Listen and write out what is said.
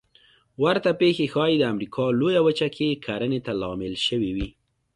ورته پېښې ښایي د امریکا لویه وچه کې کرنې ته لامل شوې وي